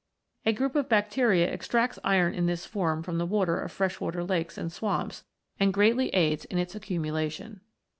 A group of bacterial) extracts iron in this form from the water of freshwater lakes and swamps, and greatly aids in its accumulation.